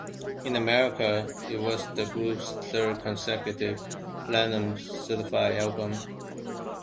In America, it was the group's third consecutive Platinum-certified album.